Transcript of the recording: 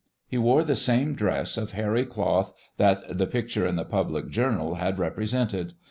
He wore the same dress of hairy cloth that the picture in the public journal had represented.